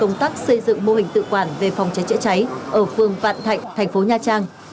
công tác xây dựng mô hình tự quản về phòng cháy chữa cháy ở phương vạn thạnh thành phố nha trang